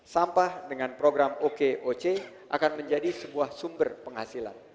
sampah dengan program okoc akan menjadi sebuah sumber penghasilan